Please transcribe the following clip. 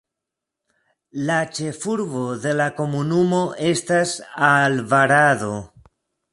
La ĉefurbo de la komunumo estas Alvarado.